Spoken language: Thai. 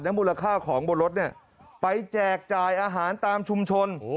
มูลค่าของบนรถเนี่ยไปแจกจ่ายอาหารตามชุมชน